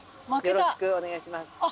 よろしくお願いします。